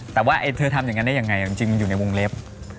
แต่ว่าเธอทำอย่างนั้นได้ยังไงจริงมันอยู่ในวงเล็บ